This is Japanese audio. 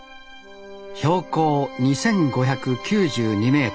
標高２，５９２メートル。